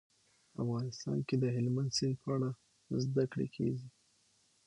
افغانستان کې د هلمند سیند په اړه زده کړه کېږي.